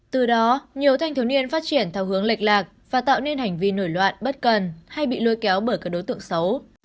từ đó nhiều thanh thiếu niên phát triển theo hướng lệch lạc và tạo nên hành vi nổi loạn bất cần hay bị lôi kéo bởi các đối tượng xấu